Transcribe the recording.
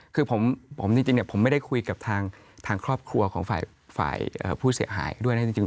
คือผมจริงผมไม่ได้คุยกับทางครอบครัวของฝ่ายผู้เสียหายด้วยนะจริง